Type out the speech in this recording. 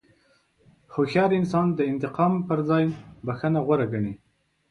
هوښیار انسان د انتقام پر ځای بښنه غوره ګڼي.